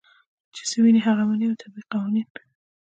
چې څۀ ويني هغه مني او د طبعي قوانینو